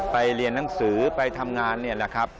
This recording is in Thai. เรียนหนังสือไปทำงานนี่แหละครับ